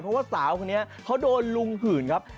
เพราะว่าสาวคนนี้เขาโดนลุงหื่นครับ